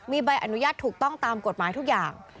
มีใบอนุญาตถูกต้องตามกฎหมายทุกอย่าง